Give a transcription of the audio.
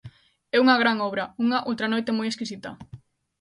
É unha gran obra, unha Ultranoite moi exquisita.